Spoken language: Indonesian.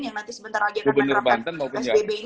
yang nanti sebentar lagi akan menerapkan psbb ini